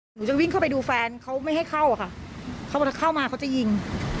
หนูจะวิ่งเข้าไปดูแฟนเขาไม่ให้เข้าอะค่ะเขาเข้ามาเขาจะยิง